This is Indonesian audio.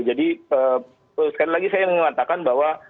jadi sekali lagi saya mengatakan bahwa